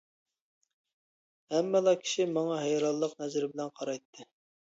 ھەممىلا كىشى ماڭا ھەيرانلىق نەزىرى بىلەن قارايتتى.